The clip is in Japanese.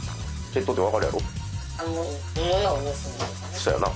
そやな。